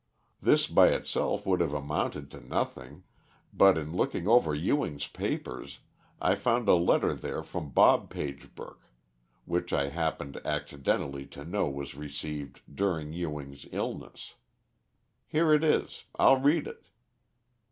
This by itself would have amounted to nothing, but in looking over Ewing's papers I found a letter there from Bob Pagebrook, which I happened accidentally to know was received during Ewing's illness. Here it is. I'll read it.